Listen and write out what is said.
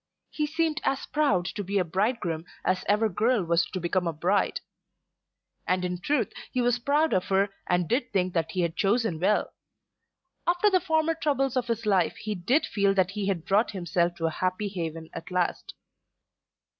He seemed as proud to be a bridegroom as ever girl was to become a bride. And in truth he was proud of her and did think that he had chosen well. After the former troubles of his life he did feel that he had brought himself to a happy haven at last.